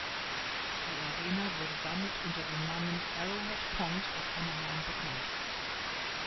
Die Arena wurde damit unter dem Namen "Arrowhead Pond of Anaheim" bekannt.